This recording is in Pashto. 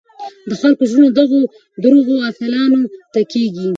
د خلکو زړونه دغو دروغو اتلانو ته کېږي.